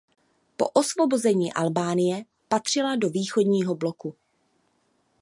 Po osvobození Albánie patřila do východního bloku.